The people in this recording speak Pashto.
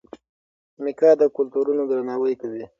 میکا د کلتورونو درناوی کوي.